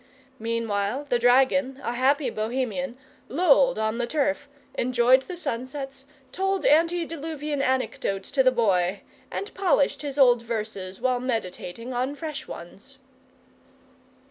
Meanwhile the dragon, a happy Bohemian, lolled on the turf, enjoyed the sunsets, told antediluvian anecdotes to the Boy, and polished his old verses while meditating on fresh ones.